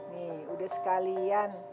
nih udah sekalian